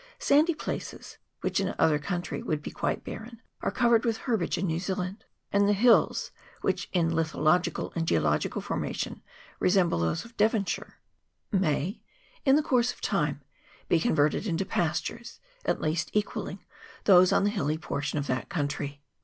Sandy places, which in any other country would be quite barren, are covered with herbage in New Zealand ; and the hills, which in lithological and geological formation resemble those of Devon VOL. i. N 178 CLIMATE OF [PART I. shire, may, in the course of time, be converted into pastures at least equalling those on the hilly portion of that county.